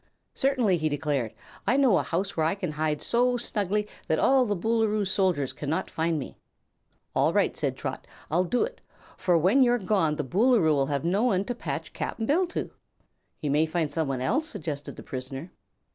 "Certainly!" he declared. "I know a house where I can hide so snugly that all the Boolooroo's soldiers cannot find me." "All right," said Trot; "I'll do it; for when you're gone the Boolooroo will have no one to patch Cap'n Bill to." "He may find some one else," suggested the prisoner.